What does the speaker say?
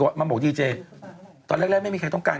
เขาจะรักษางานเขาให้เรียกมาก